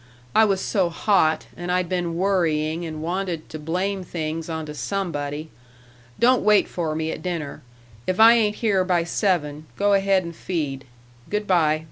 I was so hot, and I'd been worrying and wanted to blame things onto somebody.... Don't wait for me at dinner. If I ain't here by seven, go ahead and feed. Good by."